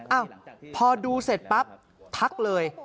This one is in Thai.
อ้าวพอดูเสร็จปั๊บทักเลย